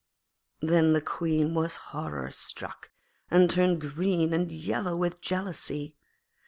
Then the Queen was horror struck, and turned green and yellow with jealousy.